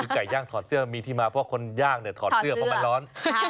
ไก่ย่างถอดเสื้อมีที่มาเพราะคนย่างเนี่ยถอดเสื้อเพราะมันร้อน